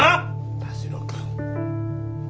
田代君。